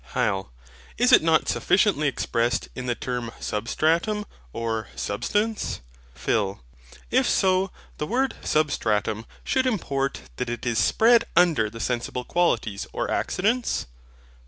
HYL. Is it not sufficiently expressed in the term SUBSTRATUM, or SUBSTANCE? PHIL. If so, the word SUBSTRATUM should import that it is spread under the sensible qualities or accidents?